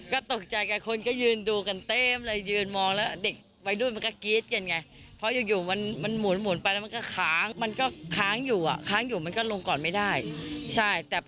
ก็ตกใจกับคนก็ยืนดูกันเต็มเลยยืนมองแล้วเด็กวัยรุ่นมันก็กรี๊ดกันไงเพราะอยู่มันมันหมุนไปแล้วมันก็ค้างมันก็ค้างอยู่อ่ะค้างอยู่มันก็ลงก่อนไม่ได้ใช่แต่